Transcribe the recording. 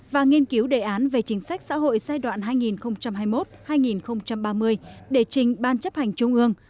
và nghiên cứu đề án về chính sách xã hội giai đoạn hai nghìn hai mươi một hai nghìn ba mươi để trình ban chấp hành trung ương